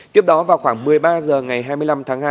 tiếp đó vào khoảng một mươi ba h ngày hai mươi năm tháng hai